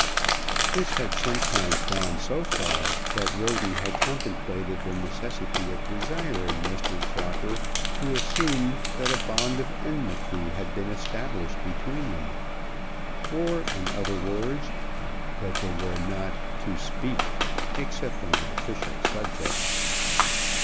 This had sometimes gone so far that Roden had contemplated the necessity of desiring Mr. Crocker to assume that a bond of enmity had been established between them; or in other words, that they were not "to speak" except on official subjects.